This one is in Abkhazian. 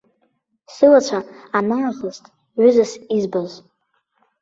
Сылацәа анаахыст ҩызас избаз.